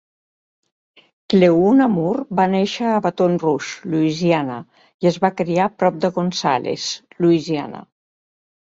Cleouna Moore va néixer a Baton Rouge, Louisiana, i es va criar prop de Gonzales, Louisiana.